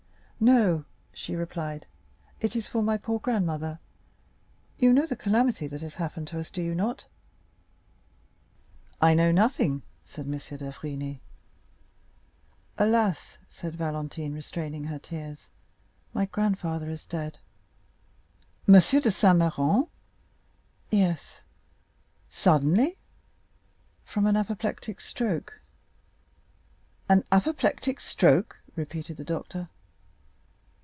30325m "No," she replied, "it is for my poor grandmother. You know the calamity that has happened to us, do you not?" "I know nothing." said M. d'Avrigny. "Alas," said Valentine, restraining her tears, "my grandfather is dead." "M. de Saint Méran?" "Yes." "Suddenly?" "From an apoplectic stroke." "An apoplectic stroke?" repeated the doctor.